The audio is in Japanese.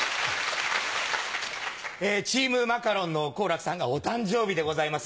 チームマカロンの好楽さんがお誕生日でございます。